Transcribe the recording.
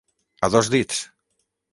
A dos dits.